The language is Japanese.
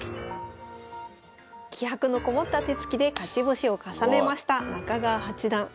気迫のこもった手つきで勝ち星を重ねました中川八段。